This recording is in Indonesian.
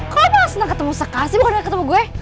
kok lo gak senang ketemu seka sih bukan ketemu gue